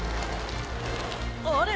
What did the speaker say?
あれ？